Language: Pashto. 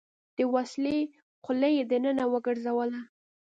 د وسلې خوله يې دننه وګرځوله.